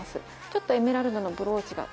ちょっとエメラルドのブローチが。